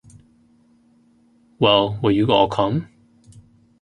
Well, will you all come?